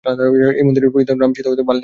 এই মন্দিরে পূজিত হন রাম, সীতা ও বাল্মীকি।